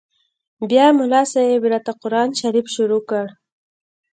بيا ملا صاحب راته قران شريف شروع کړ.